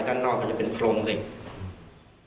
ด้านนอกก็จะเป็นโครงเหล็ก